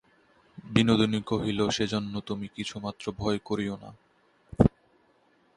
বিনোদিনী কহিল, সেজন্য তুমি কিছুমাত্র ভয় করিয়ো না।